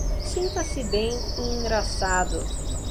Sinta-se bem e engraçado